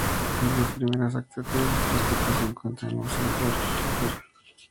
Entre sus principales atractivos turísticos se encuentra el Museo Georg Schäfer.